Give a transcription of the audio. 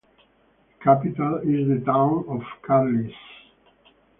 The capital is the town of Carlisle.